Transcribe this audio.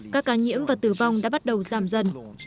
các ca nhiễm và tử vong đã bắt đầu giảm dần